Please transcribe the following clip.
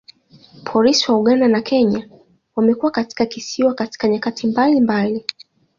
Polisi wa Uganda na Kenya wamekuwa katika kisiwa katika nyakati mbalimbali.